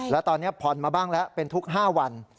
แล้วตอนนี้ผ่อนมาบ้างแล้วเป็นทุก๕วัน